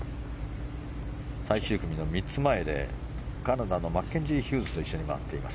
最終組の３つ前でカナダのマッケンジー・ヒューズと一緒に回っています。